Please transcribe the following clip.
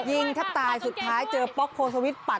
ยิงถ้าตายสุดท้ายเจอป๊อกโคลสวิสต์ปัด